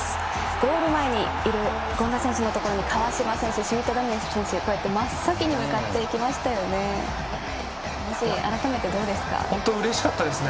ゴール前にいる権田選手のところに川島選手とシュミット・ダニエル選手が真っ先に向かっていきましたよね。